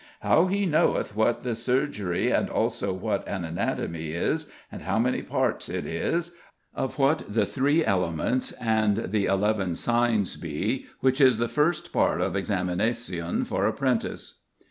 "How he knoweth what ys surgery and also what an anatomy ys, and how many parts it is; of what the iiij elements and the xij signes be, which is the first part of examynacion for a prentyce."